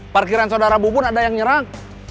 parkiran saudara bu pun ada yang nyerang